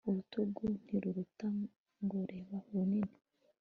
urutugu ntirukua ngo rebe runini